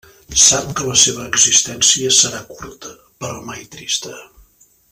Sap que la seva existència serà curta, però mai trista.